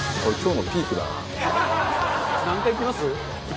何回きます？